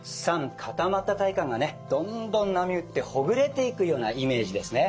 固まった体幹がねどんどん波打ってほぐれていくようなイメージですね。